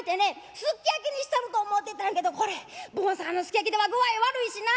すき焼きにしたろと思うてたんやけどこれ坊さんのすき焼きでは具合悪いしな。